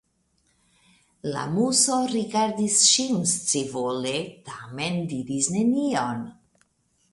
La Muso rigardis ŝin scivole, tamen diris nenion.